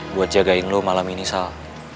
buat jagain lo malam ini sal